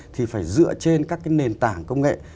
thì phải dựa trên các cái nền tảng công nghệ